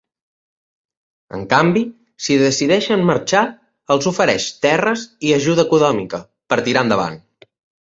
En canvi, si decideixen marxar, els ofereix terres i ajuda econòmica per tirar endavant.